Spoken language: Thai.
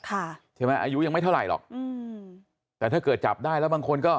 ค่ะใช่ไหมอายุยังไม่เท่าไหร่หรอกอืมแต่ถ้าเกิดจับได้แล้วบางคนก็